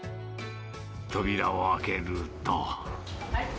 扉を開けると。